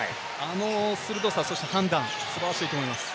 あの鋭さ、判断、素晴らしいと思います。